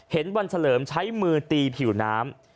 เห็นวันเฉลิมใช้มือตีผิวน้ำ